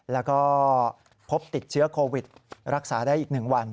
แล้วก็พบติดเชื้อโควิดรักษาได้อีก๑วัน